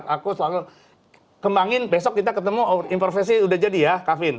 aku selalu kembangin besok kita ketemu informasi udah jadi ya kavin